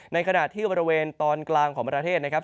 ในขณะที่บริเวณตอนกลางของประเทศนะครับ